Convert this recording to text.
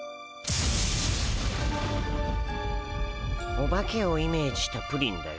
オバケをイメージしたプリンだよ。